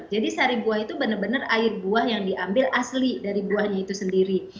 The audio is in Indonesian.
jadi sari buah itu benar benar air buah yang diambil asli dari buahnya itu sendiri